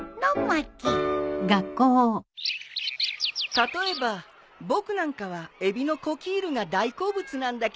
例えば僕なんかはエビのコキールが大好物なんだけどね。